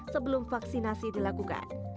sebelum vaksinasi dilakukan